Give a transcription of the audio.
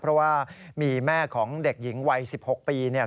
เพราะว่ามีแม่ของเด็กหญิงวัย๑๖ปีเนี่ย